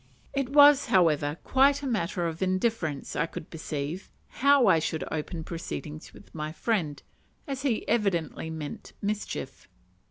It was, however, quite a matter of indifference, I could perceive, how I should open proceedings with my friend; as he evidently meant mischief.